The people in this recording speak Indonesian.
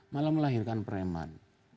malah melahirkan preman